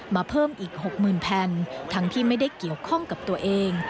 เพิ่มอีก๖๐๐๐แผ่นทั้งที่ไม่ได้เกี่ยวข้องกับตัวเอง